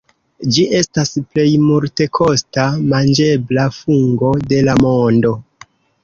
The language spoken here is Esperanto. Ĝi estas plej multekosta manĝebla fungo de la mondo.